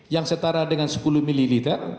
yang setara dengan sepuluh ml